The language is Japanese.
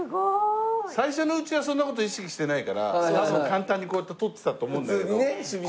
最初のうちはそんな事意識してないから多分簡単にこうやって捕ってたと思うんだけど。